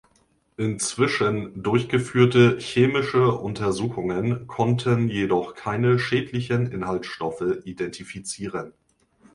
Inzwischen durchgeführte chemische Untersuchungen konnten jedoch keine schädlichen Inhaltsstoffe identifizieren.